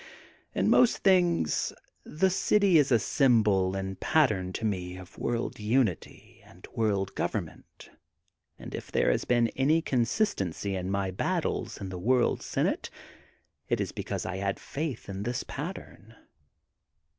In most things the city is a symbol and pattern to me of World Unity and World Government and if there has been any con sistency in my battles in the World Senate, it is because I had faith in this pattern.